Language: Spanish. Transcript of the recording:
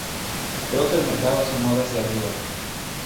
Creo que el mercado se mueve hacia arriba.